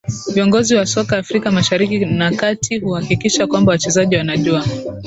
viongozi wa soka afrika mashariki na kati kuhakikisha kwamba wachezaji wanajua